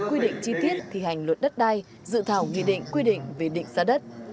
quy định chi tiết thi hành luật đất đai dự thảo nghị định quy định về định giá đất